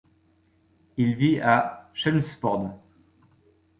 Il vit à Chelmsford.